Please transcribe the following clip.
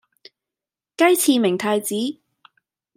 雞翅明太子